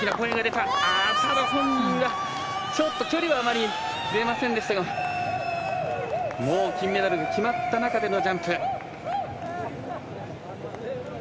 ただ、本人はちょっと距離はあまり出ませんでしたがもう金メダルが決まった中でのジャンプ。